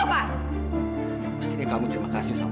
kamu sengaja kamu sengaja sengaja